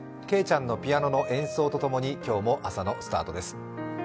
けいちゃんのピアノの演奏と共に、今日も朝のスタートです。